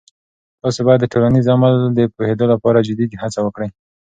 تاسې باید د ټولنیز عمل د پوهیدو لپاره جدي هڅه وکړئ.